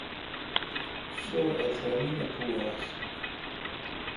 سو اترامین پو آس۔